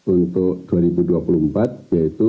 untuk dua ribu dua puluh empat yaitu